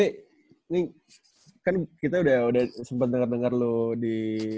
ini kan kita udah sempat dengar dengar lo di